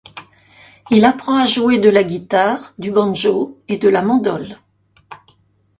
Il apprend à jouer de la guitare, du banjo et de la mandole.